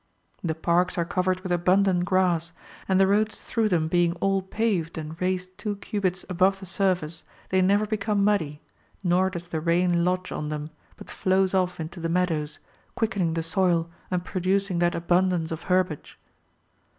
[The parks are covered with abundant grass ; and the roads through them being all paved and raised Chap. X. THE PALACE OF THE GREAT KAAN 365 two cubits above the surface, they never become muddy, nor does the rain lodge on them, but flows off into the meadows, quickening the soil and producing that abun dance of herbage.